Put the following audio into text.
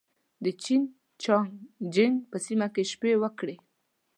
د جين چنګ جيانګ په سیمه کې شپې وکړې.